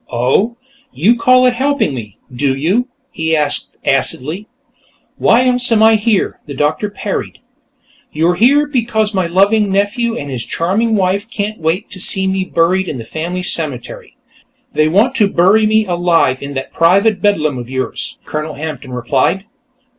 "Oh; you call it helping me, do you?" he asked acidly. "But why else am I here?" the doctor parried. "You're here because my loving nephew and his charming wife can't wait to see me buried in the family cemetery; they want to bury me alive in that private Bedlam of yours," Colonel Hampton replied.